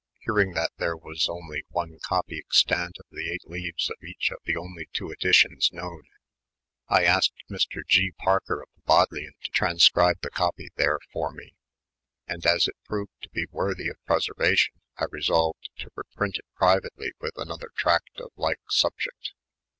Hearing that there was only one copy extant of the eight leaves of each of the only two edi tions known, I askt Mr. Q. Parker of the Bodleian to tran ecribe the copy there for me' ; and aa it proved to be worthy of preservation, I resolved to reprint it privately witi another tract of like subject.